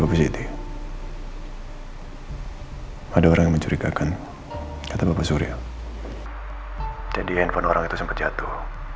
barang itu sempat jatuh